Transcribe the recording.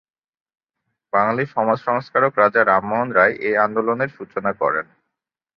বাঙালি সমাজ সংস্কারক রাজা রামমোহন রায় এই আন্দোলনের সূচনা করেন।